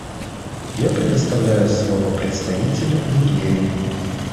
Я предоставляю слово представителю Нигерии.